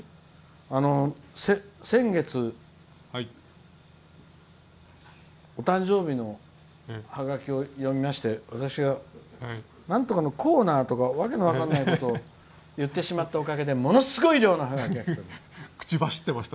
先月、お誕生日のハガキを読みまして私がなんとかのコーナーとか訳の分からないことを言ってしまったおかげでものすごい量のハガキがきています。